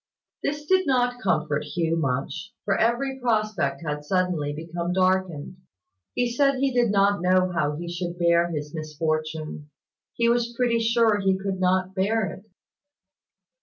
This did not comfort Hugh much, for every prospect had suddenly become darkened. He said he did not know how he should bear his misfortune; he was pretty sure he could not bear it.